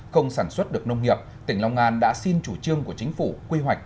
không sản xuất được nông nghiệp tỉnh long an đã xin chủ trương của chính phủ quy hoạch